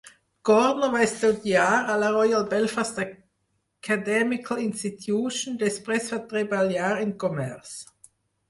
Cordner va estudiar a la Royal Belfast Academical Institution, després va treballar en comerç.